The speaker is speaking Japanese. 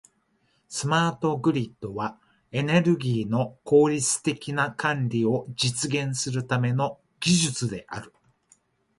スマートグリッドは、エネルギーの効率的な管理を実現するための技術である。